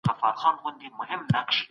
موږ باید په منظم ډول معلومات وڅېړو.